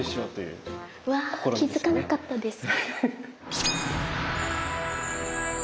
うわ気付かなかったです。